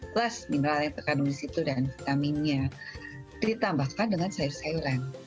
plus mineral yang terkandung di situ dan vitaminnya ditambahkan dengan sayur sayuran